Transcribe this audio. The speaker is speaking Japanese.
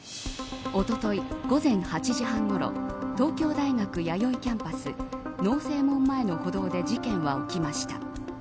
おととい、午前８時半ごろ東京大学弥生キャンパス農正門前の歩道で事件は起きました。